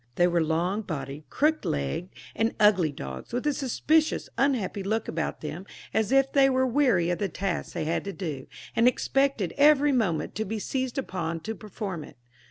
They were long bodied, crooked legged, and ugly dogs, with a suspicious, unhappy look about them, as if they were weary of the task they had to do, and expected every moment to be seized upon to perform it.